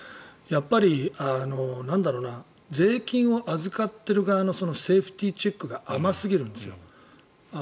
やっぱり税金を預かっている側のセーフティーチェックが甘すぎるんですよ。